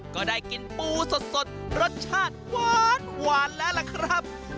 ก็ได้กินปูสดรสชาติหวานแล้วล่ะครับ